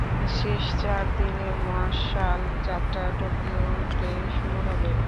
শেষ চার দিনের মশাল যাত্রা টোকিওতে শুরু হবে।